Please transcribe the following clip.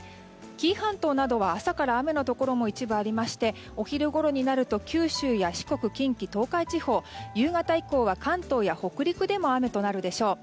紀伊半島などは、朝から雨のところも一部ありましてお昼ごろになると九州や四国、近畿・東海地方夕方以降は関東や北陸でも雨となるでしょう。